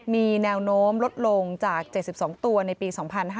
มีแนวโน้มลดลงจาก๗๒ตัวในปี๒๕๕๙